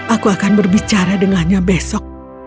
aku akan berbicara dengannya besok